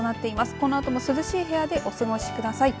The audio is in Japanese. このあとも涼しい部屋でお過ごしください。